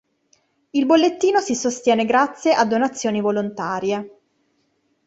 Il bollettino si sostiene grazie a donazioni volontarie.